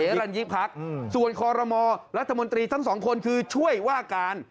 อรัญญิพักษ์ส่วนคอรมอรัฐมนตรีทั้งสองคนคือช่วยว่าการ